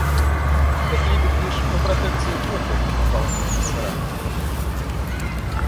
Так, Либих лишь по протекции Гумбольдта попал в профессора.